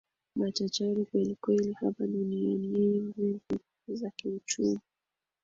machachari kweli kweli hapa duniani yenye nguvu za kiuchumi